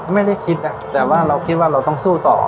ไม่ได้คิดนะแต่ว่าเราคิดว่าเราต้องสู้ต่อ